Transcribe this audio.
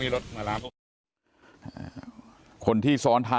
มีรถกระบะจอดรออยู่นะฮะเพื่อที่จะพาหลบหนีไป